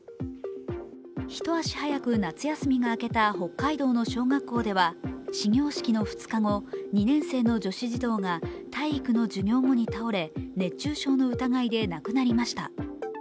一足早く夏休みが明けた北海道の小学校では始業式の２日後、２年生の女子児童が体育の授業後に倒れ、熱中症の疑いで亡くなりました。